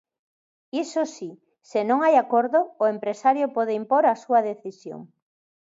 Iso si, se non hai acordo, o empresario pode impor a súa decisión.